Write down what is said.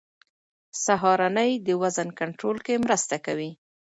سهارنۍ د وزن کنټرول کې مرسته کوي.